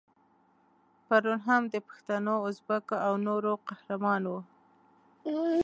پرون هم د پښتنو، ازبکو او نورو قهرمان وو.